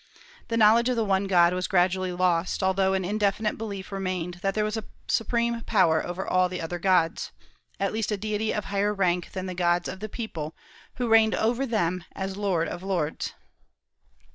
The knowledge of the one God was gradually lost, although an indefinite belief remained that there was a supreme power over all the other gods, at least a deity of higher rank than the gods of the people, who reigned over them as Lord of lords.